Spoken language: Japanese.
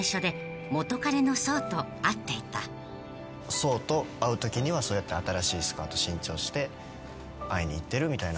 想と会うときにはそうやって新しいスカート新調して会いに行ってるみたいな。